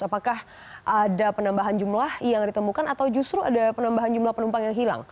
apakah ada penambahan jumlah yang ditemukan atau justru ada penambahan jumlah penumpang yang hilang